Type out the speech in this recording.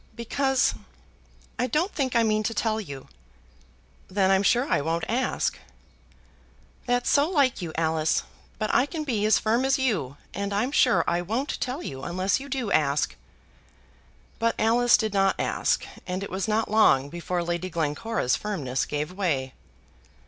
"Because ; I don't think I mean to tell you." "Then I'm sure I won't ask." "That's so like you, Alice. But I can be as firm as you, and I'm sure I won't tell you unless you do ask." But Alice did not ask, and it was not long before Lady Glencora's firmness gave way.